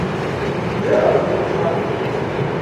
Jaa altur tʰaanum.